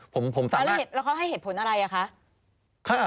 ผมสามารถแล้วเขาให้เหตุผลอะไรคะ